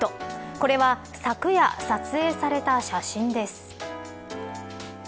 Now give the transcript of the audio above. これは昨夜撮影された写真です。